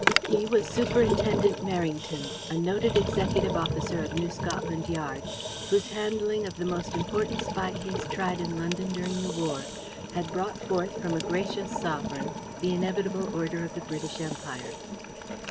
He was Superintendent Merrington, a noted executive officer of New Scotland Yard, whose handling of the most important spy case tried in London during the war had brought forth from a gracious sovereign the inevitable Order of the British Empire.